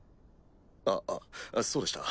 あっそうでした。